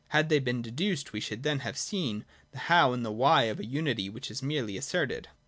Had they been deduced, we should then have seen the How and the Why of a unity which is merely asserted.